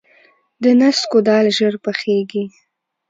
د نسکو دال ژر پخیږي.